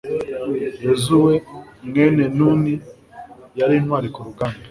yozuwe, mwene nuni, yari intwari ku rugamba